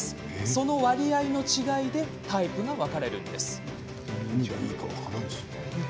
その割合の違いでタイプが分かれるんです。